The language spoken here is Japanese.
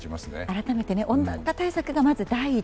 改めて温暖化対策がまず第一。